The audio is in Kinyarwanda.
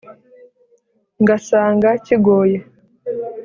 Ngasanga kigoye